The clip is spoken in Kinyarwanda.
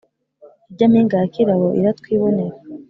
ilya mpinga ya Kirabo iratwibonera